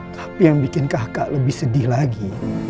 tapi yang bikin kakak lebih sedih lagi